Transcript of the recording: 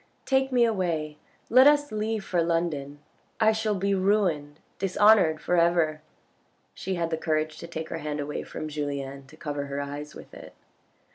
Take me away, let us leave for London. I shall be ruined, dishonoured for ever." She had the courage to take her hand away from Julien to cover her eyes with it.